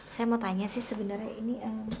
saya mau tanya sih sebenarnya ini